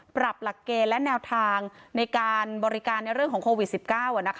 หลักเกณฑ์และแนวทางในการบริการในเรื่องของโควิด๑๙